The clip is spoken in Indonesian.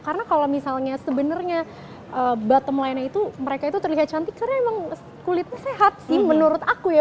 karena kalau misalnya sebenarnya bottom line nya itu mereka itu terlihat cantik karena emang kulitnya sehat sih menurut aku ya